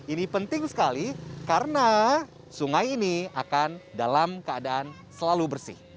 ini penting sekali karena sungai ini akan dalam keadaan selalu bersih